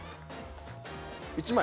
１枚。